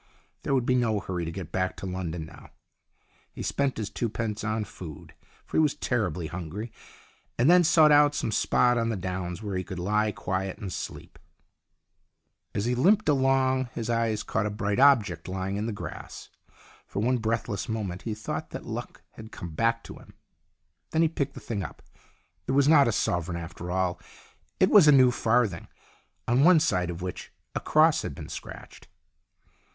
There would be no hurry to get back to London now. He spent his twopence on food, for he was terribly hungry, and then sought out some spot on the downs where he could lie quiet and sleep. As he limped along his eyes caught a bright object lying in the grass. For one breathless moment he thought that luck had come back to him. Then he picked the thing up. It was not a sovereign, after all. It was a new farthing, on one side of which a cross had been scratched.